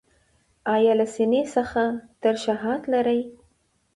ایا له سینې څخه ترشحات لرئ؟